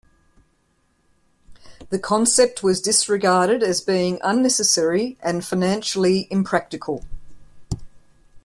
The concept was disregarded as being unnecessary and financially impractical.